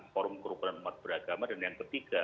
forum kerukunan umat beragama dan yang ketiga